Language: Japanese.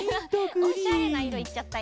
おしゃれないろいっちゃったよ。